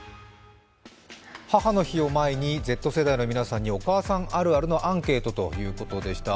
母の日を前にＺ世代の皆さんにお母さんあるあるのアンケートということでした。